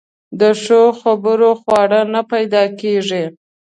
په ښو خبرو خواړه نه پیدا کېږي.